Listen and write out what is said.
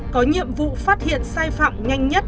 có nhiệm vụ phát hiện sai phạm nhanh nhất